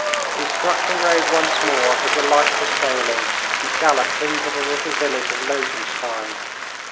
We struck the road once more as the light was failing, and galloped into the little village of Lobenstein.